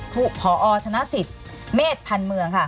ผู้พอธนสิทธิ์เมษภัณฑ์เมืองค่ะ